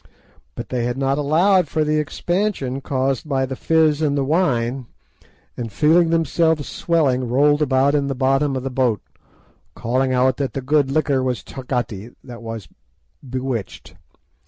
But they had not allowed for the expansion caused by the fizz in the wine, and, feeling themselves swelling, rolled about in the bottom of the boat, calling out that the good liquor was "tagati"—that is, bewitched.